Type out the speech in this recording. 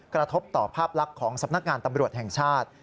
กระทบต่อภาพลักษณ์ของสำนักงานตำรวจแห่งชาติ